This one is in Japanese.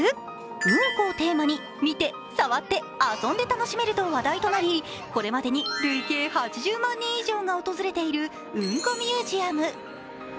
うんこをテーマに、見て、触って遊んで楽しめると話題となりこれまでに累計８０万人以上が訪れているうんこミュージアム。